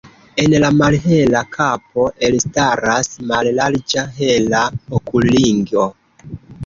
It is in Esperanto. En la malhela kapo elstaras mallarĝa hela okulringo.